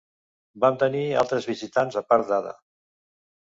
Vam tenir altres visitants a part d'Ada.